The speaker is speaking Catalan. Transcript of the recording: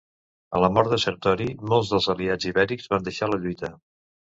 A la mort de Sertori, molts dels aliats ibèrics van deixar la lluita.